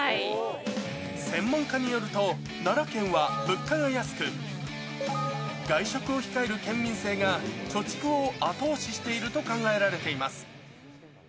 専門家によると、奈良県は物価が安く、外食を控える県民性が、貯蓄を後押ししていると考えられています。